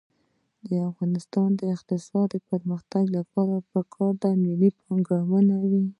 د افغانستان د اقتصادي پرمختګ لپاره پکار ده چې ملي پارکونه وي.